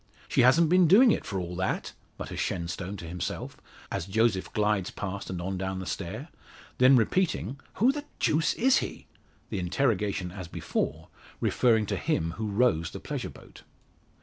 "She hasn't been doing it for all that," mutters Shenstone to himself, as Joseph glides past and on down the stair; then repeating, "Who the deuce is he?" the interrogation as before, referring to him who rows the pleasure boat.